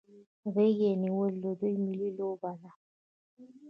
غیږ نیول د دوی ملي لوبه ده.